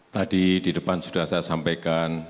tadi di depan sudah saya sampaikan